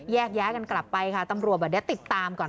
แยกย้ายกันกลับไปค่ะตำรวจบอกเดี๋ยวติดตามก่อน